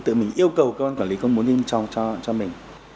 tự mình yêu cầu cơ quan quản lý công bố thông tin cho mình